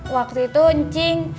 waktu itu incing